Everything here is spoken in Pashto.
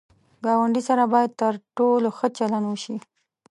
ګاونډي سره باید تر ټولو ښه چلند وشي